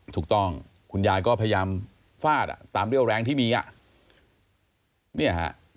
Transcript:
ถูกต้องคุณยายก็พยายามฟาดตามเรียวแรงที่มี